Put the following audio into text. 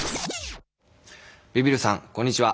ビビるさんこんにちは。